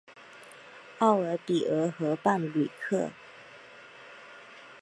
奥尔比厄河畔吕克。